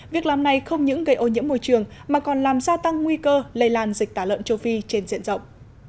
việc làm này không những gây ô nhiễm môi trường mà còn làm gia tăng nguy cơ lây lan dịch tả lợn châu phi trên diện rộng